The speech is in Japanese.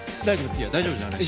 いや大丈夫じゃない。